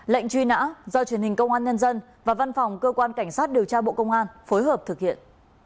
lệnh truy nã do truyền hình công an nhân dân và văn phòng cơ quan cảnh sát điều tra bộ công an phối hợp thực hiện